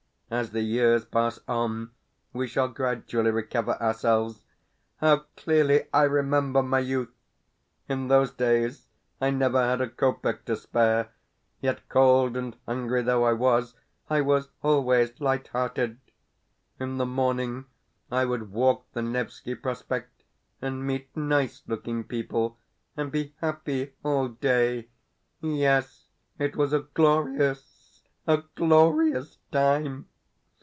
As the years pass on we shall gradually recover ourselves. How clearly I remember my youth! In those days I never had a kopeck to spare. Yet, cold and hungry though I was, I was always light hearted. In the morning I would walk the Nevski Prospect, and meet nice looking people, and be happy all day. Yes, it was a glorious, a glorious time!